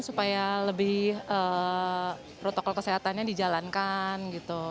supaya lebih protokol kesehatannya dijalankan gitu